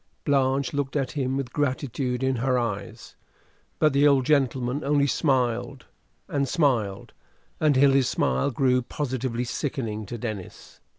Blanche looked at him with gratitude in her eyes; but the old gentleman only smiled and smiled, until his smile grew positively sickening to Denis.